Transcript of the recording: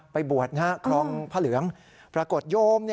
ไปบวชนะฮะครองพระเหลืองพระกฏโยมเนี่ย